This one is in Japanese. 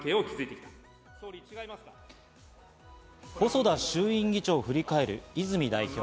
細田衆院議長を振り返る泉代表。